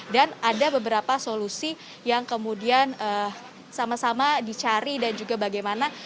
dan ada beberapa solusi yang kemudian sama sama dicari dan juga bagaimana